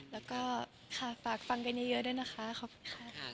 แล้วก็ค่ะฝากฟังกันเยอะด้วยนะคะขอบคุณค่ะ